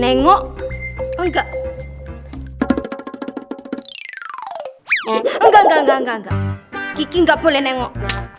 enggak enggak enggak enggak enggak enggak boleh nengok